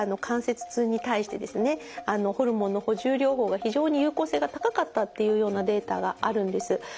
ホルモンの補充療法が非常に有効性が高かったっていうようなデータがあるんです。